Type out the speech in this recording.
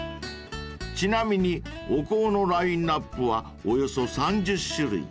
［ちなみにお香のラインアップはおよそ３０種類］